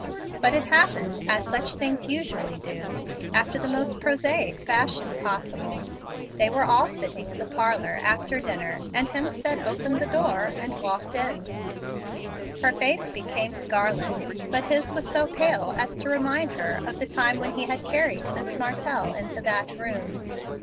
But it happened, as such things usually do, after the most prosaic fashion possible. They were all sitting in the parlor, after dinner, and Hemstead opened the door and walked in. Her face became scarlet, but his was so pale as to remind her of the time when he had carried Miss Martell into that room.